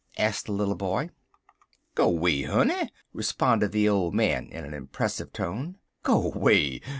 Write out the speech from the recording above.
asked the little boy. "Go 'way, honey!" responded the old man, in an impressive tone. "Go way!